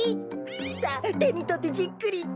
さあてにとってじっくりと。